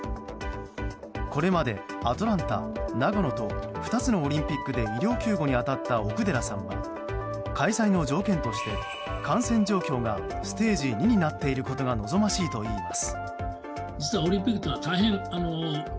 これまでアトランタ、長野と２つのオリンピックで医療救護に当たった奥寺さんは開催の条件として、感染状況がステージ２になっていることが望ましいといいます。